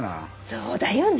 そうだよね。